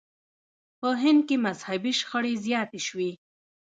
په هند کې مذهبي شخړې زیاتې شوې.